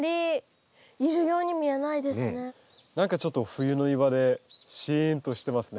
何かちょっと冬の庭でシーンとしてますね。